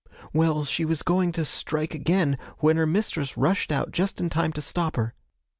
'Well, she was going to strike again, when her mistress rushed out, just in time to stop her.